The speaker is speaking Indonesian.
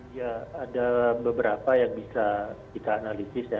ya ada beberapa yang bisa kita analisis ya